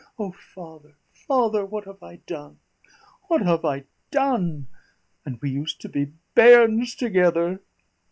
O, father, father, what have I done what have I done? And we used to be bairns together!"